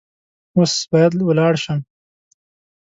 اوس باید ولاړ شم .